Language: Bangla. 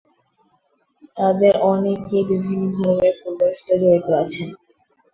তাদের অনেকেই বিভিন্ন ধরনের ফুটবলের সাথে জড়িত আছেন।